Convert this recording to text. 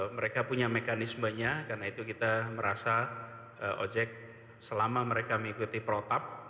mereka punya mekanismenya karena itu kita merasa ojek selama mereka mengikuti protap